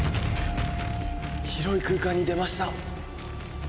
広い空間に出ました